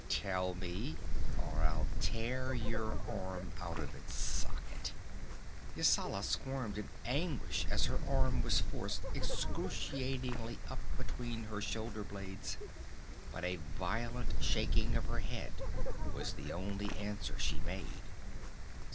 "Tell me, or I'll tear your arm out of its socket!" Yasala squirmed in anguish as her arm was forced excruciatingly up between her shoulder blades, but a violent shaking of her head was the only answer she made.